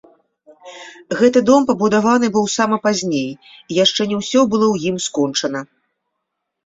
Гэты дом пабудаваны быў сама пазней, і яшчэ не ўсё было ў ім скончана.